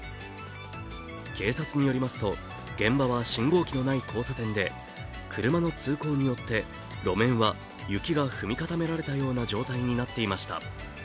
警察によりますと、現場は信号機のない交差点で車の通行によって路面は雪が踏み固められたような状態になっていました。